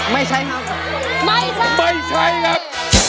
ไม่ใช้ครับ